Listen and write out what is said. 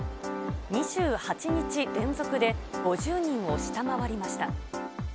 ２８日連続で５０人を下回りました。